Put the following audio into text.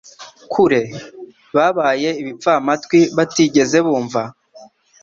kure? Babaye ibipfamatwi batigeze bumva?